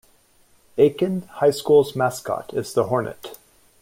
Aiken High School's mascot is the Hornet.